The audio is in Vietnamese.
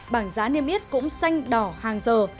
bảng giá niêm yết cũng xanh đỏ hàng giờ